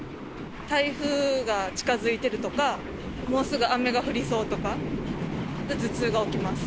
台風が近づいてるとか、もうすぐ雨が降りそうとか、頭痛が起きます。